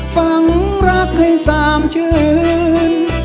ฝังรักให้สามชื้น